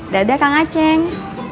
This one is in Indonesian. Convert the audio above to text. dadah kang aceh